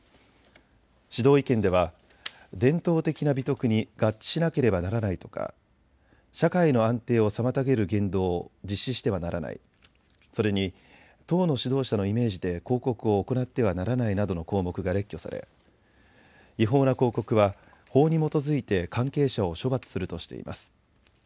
指導意見では伝統的な美徳に合致しなければならないとか社会の安定を妨げる言動を実施してはならない、それに党の指導者のイメージで広告を行ってはならないなどの項目が列挙され違法な広告は法に基づいて関係者を処罰するとしています。